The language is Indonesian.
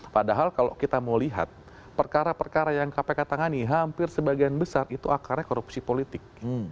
padahal kalau kita mau lihat perkara perkara yang kpk tangani hampir sebagian besar itu akarnya korupsi politik